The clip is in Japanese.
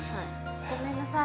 ごめんなさい